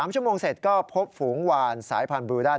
๓ชั่วโมงเสร็จก็พบฝูงวานสายพันธบลูดัน